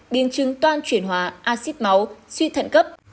biên chứng toan chuyển hóa axit máu suy thận cấp